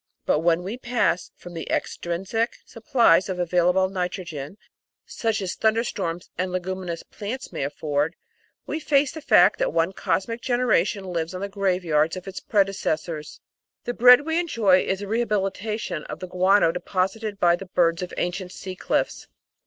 But when we pass from extrinsic supplies of available nitrogen such as thunder storms and Leguminous plants may afford, we face the fact that one cosmic generation lives on the graveyards of its predecessors. The bread we enjoy is a rehabilitation of the guano deposited by the birds of ancient sea cliffs.